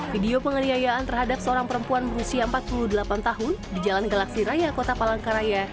video penganiayaan terhadap seorang perempuan berusia empat puluh delapan tahun di jalan galaksi raya kota palangkaraya